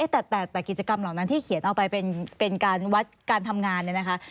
แต่กิจกรรมเหล่านั้นที่เขียนเอาไปเป็นการวัดการทำงานเนี่ยนะคะ